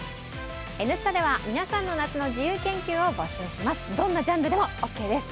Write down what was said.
「Ｎスタ」では皆さんの夏の自由研究を募集します。